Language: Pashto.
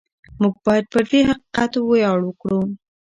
موږ باید پر دې حقیقت ویاړ وکړو.